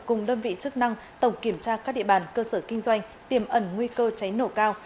cùng đơn vị chức năng tổng kiểm tra các địa bàn cơ sở kinh doanh tiềm ẩn nguy cơ cháy nổ cao